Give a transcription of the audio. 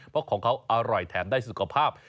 เพราะของเขาอร่อยแถมได้สุขภาพ